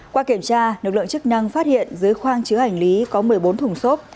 qua kiểm tra lực lượng chức năng phát hiện dưới khoang chứa hành lý có một mươi bốn thùng xốp